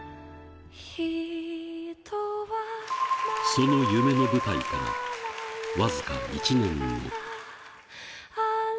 その夢の舞台から僅か１年後。